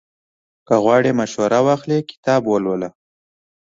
که غواړې مشوره واخلې، کتاب ولوله.